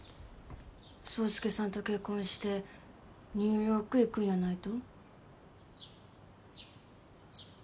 爽介さんと結婚してニューヨーク行くんやないと？